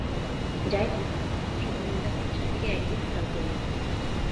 যাই হোক, ওসব নিন্দা-কুৎসার দিকে একদম খেয়াল করো না।